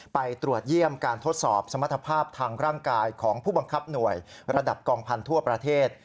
ไปตรวจเยี่ยมการทดสอบสมรรถภาพทางร่างกายของผู้บังคับหน่วยระดับกองพันธุ์ทั่วประเทศ